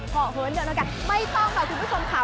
พอเหินเดินแล้วกันไม่ต้องค่ะคุณผู้ชมค่ะ